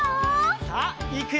さあいくよ！